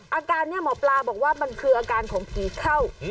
อาการนี้หมอปลาบอกว่ามันคืออาการของผีเข้า